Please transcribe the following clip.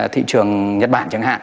thị trường nhật bản chẳng hạn